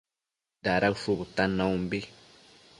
Dada ushu bëtan naumbi